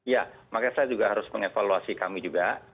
ya makanya saya juga harus mengevaluasi kami juga